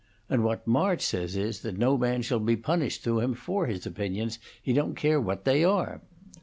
And what March says is that no man shall be punished through him for his opinions, he don't care what they are."